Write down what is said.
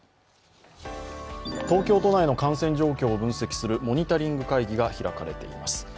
東京都内の感染状況を分析するモニタリング会議が開かれています。